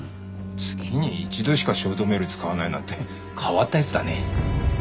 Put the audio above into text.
月に一度しかショートメール使わないなんて変わった奴だね。